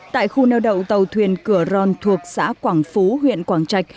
tại khu neo đậu tàu thuyền cửa ron thuộc xã quảng phú huyện quảng trạch